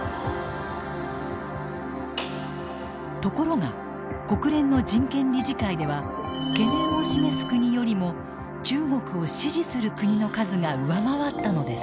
ところが国連の人権理事会では懸念を示す国よりも中国を支持する国の数が上回ったのです。